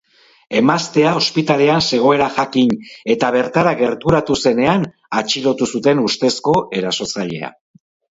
Emaztea ospitalean zegoela jakin eta bertara gerturatu zenean atxilotu zuten ustezko erasotzailea.